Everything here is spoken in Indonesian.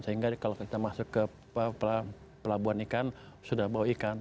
sehingga kalau kita masuk ke pelabuhan ikan sudah bawa ikan